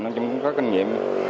nên chúng tôi cũng có kinh nghiệm